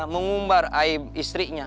mengumbar aib istrinya